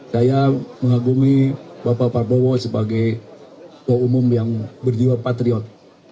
saya mengagumi bapak prabowo sebagai ketua umum yang berjiwa patriot